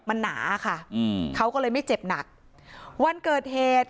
มันหนาค่ะอืมเขาก็เลยไม่เจ็บหนักวันเกิดเหตุ